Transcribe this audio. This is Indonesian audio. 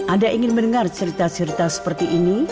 anda ingin mendengar cerita cerita seperti ini